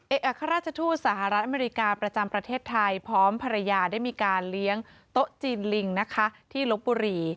อัครราชทูตสหรัฐอเมริกาประจำประเทศไทยพร้อมภรรยาได้มีการเลี้ยงโต๊ะจีนลิงนะคะที่ลบบุรี